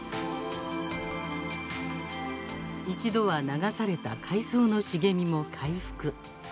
一度は流された海草の茂みも回復。